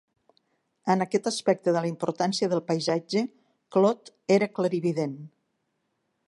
En aquest aspecte de la importància del paisatge, Claude era clarivident.